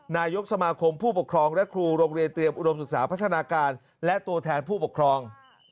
นายกสมาคมผู้ปกครองและครูโรงเรียนเตรียมอุดมศึกษาพัฒนาการและตัวแทนผู้ปกครอง